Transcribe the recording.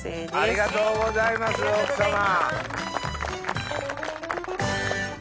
ありがとうございます奥さま。